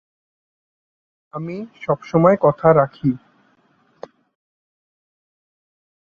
আমি সবসময় কথা রাখি।